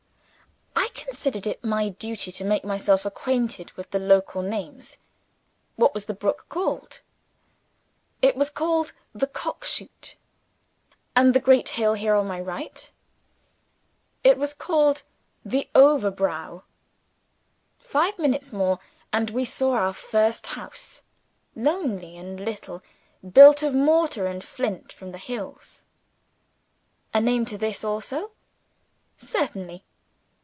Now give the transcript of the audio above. I considered it my duty to make myself acquainted with the local names. What was the brook called? It was called "The Cockshoot"! And the great hill, here, on my right? It was called "The Overblow"! Five minutes more, and we saw our first house lonely and little built of mortar and flint from the hills. A name to this also? Certainly.